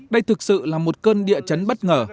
đây thực sự là một cơn địa chấn bất ngờ